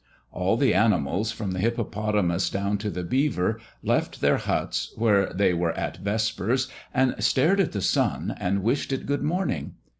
All the animals, from the hippopotamus down to the beaver, left their huts, where they were at vespers, and stared at the sun, and wished it good morning.